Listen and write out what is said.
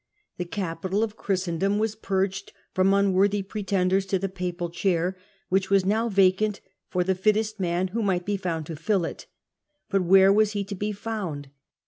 The capital of Christendom was purged from unworthy pretenders to the papal chair, which was now vacant for the fittest man who might be found to fill it. But where was he to be found